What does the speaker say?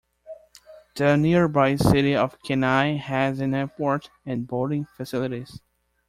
The nearby city of Kenai has an airport and boating facilities.